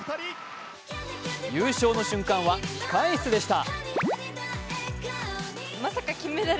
優勝の瞬間は控室でした。